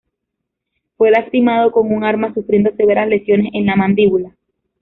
Fue lastimado con un arma sufriendo severas lesiones en la mandíbula.